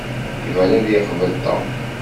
Iban ad yeqbel Tom.